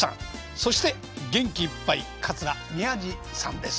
そして元気いっぱい桂宮治さんです。